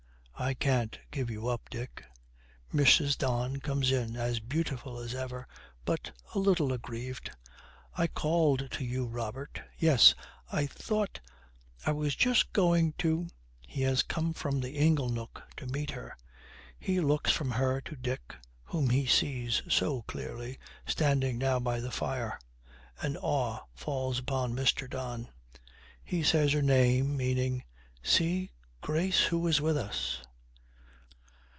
'I can't give you up, Dick.' Mrs. Don comes in, as beautiful as ever, but a little aggrieved. 'I called to you, Robert.' 'Yes, I thought I was just going to ' He has come from the ingle nook to meet her. He looks from her to Dick, whom he sees so clearly, standing now by the fire. An awe falls upon Mr. Don. He says her name, meaning, 'See, Grace, who is with us.'